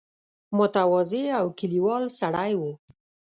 متواضع او کلیوال سړی وو.